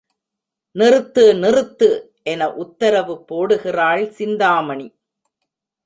நிறுத்து, நிறுத்து... என உத்தரவு போடுகிறாள் சிந்தாഥணி.